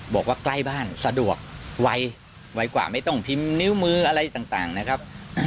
บอกว่าใกล้บ้านสะดวกไวกว่าไม่ต้องพิมพ์นิ้วมืออะไรต่างนะครับ